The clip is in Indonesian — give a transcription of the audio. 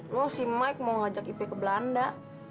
lo si mike mau ngajak ipe ke belanda